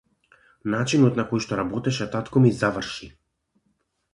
Начинот на кој што работеше татко ми заврши.